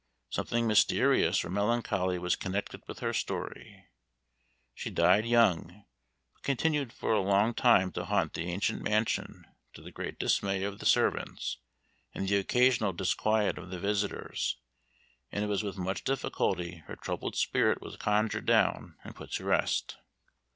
Something mysterious or melancholy was connected with her story; she died young, but continued for a long time to haunt the ancient mansion, to the great dismay of the servants, and the occasional disquiet of the visitors, and it was with much difficulty her troubled spirit was conjured down and put to rest.